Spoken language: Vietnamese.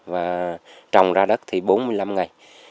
và trồng ra đất thì bốn mươi năm ngày